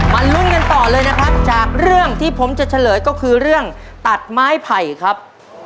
ลุ้นกันต่อเลยนะครับจากเรื่องที่ผมจะเฉลยก็คือเรื่องตัดไม้ไผ่ครับ